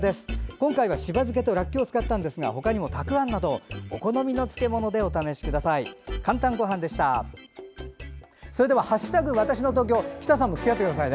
今回は、しば漬けとらっきょうを使ったんですがほかにも、たくあんなどお好みの漬物でお試しください。